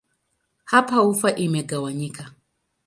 Hapa ufa imegawanyika.